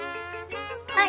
はい！